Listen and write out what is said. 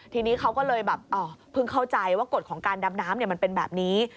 ทีนี้เขาก็เลยแบบเพิ่งเข้าใจว่ากฎของการดำน้ำมันเป็นแบบนี้